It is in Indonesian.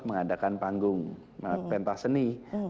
mengadakan panggung pentas seni